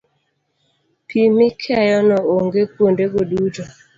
pi mikeyo ne onge kuondego duto